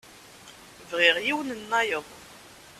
Bɣiɣ yiwen-nnayeḍ.